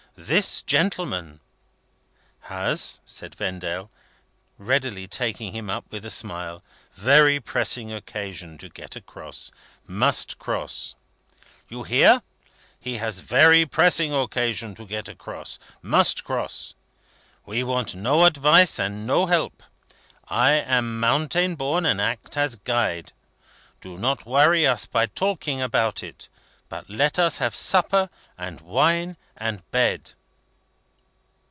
This gentleman "" Has," said Vendale, readily taking him up with a smile, "very pressing occasion to get across. Must cross." "You hear? has very pressing occasion to get across, must cross. We want no advice and no help. I am mountain born, and act as Guide. Do not worry us by talking about it, but let us have supper, and wine, and bed."